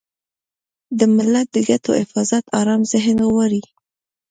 د ملت د ګټو حفاظت ارام ذهن غواړي.